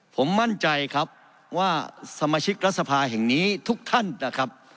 ผมมั่นใจครับว่าสมาชิกรัฐสภาแห่งนี้ทุกท่านนะครับ